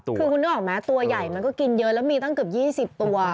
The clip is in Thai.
คือคุณนึกออกไหมตัวใหญ่มันก็กินเยอะแล้วมีตั้งเกือบ๒๐ตัว